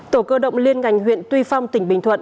tổ cơ động liên ngành huyện tuy phong tỉnh bình thuận